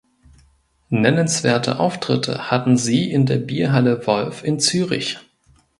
Nennenswerte Auftritte hatten sie in der Bierhalle Wolf in Zürich.